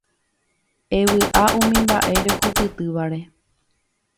Evy'a umi mba'e rehupytývare